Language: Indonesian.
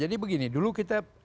ini begini pak promo